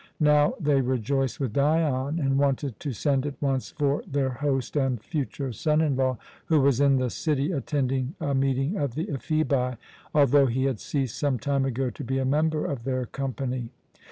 Now they rejoiced with Dion, and wanted to send at once for their host and future son in law, who was in the city attending a meeting of the Ephebi, although he had ceased some time ago to be a member of their company.